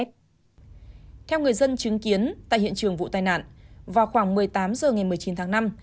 theo người dân chứng kiến tại hiện trường vụ tai nạn vào khoảng một mươi tám h ngày một mươi chín tháng năm